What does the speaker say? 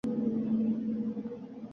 Patent hatto tasvir va videoga asoslangan